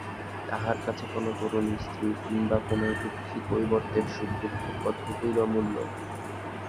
তাহার কাছে কোনো তরুণী স্ত্রীর কিম্বা কোনো দুঃখী কৈবর্তের সুখদুঃখের কতটুকুই বা মূল্য।